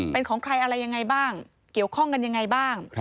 เป็นของใครอะไรยังไงบ้างเกี่ยวข้องกันยังไงบ้าง